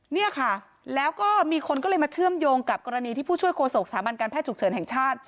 เนี่ยค่ะแล้วก็มีคนก็เลยมาเชื่อมโยงกับกรณีที่ผู้ช่วยโฆษกสถาบันการแพทย์ฉุกเฉินแห่งชาติ